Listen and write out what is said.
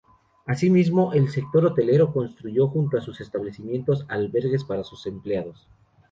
Asimismo, el sector hotelero construyó junto a sus establecimientos albergues para sus empleados.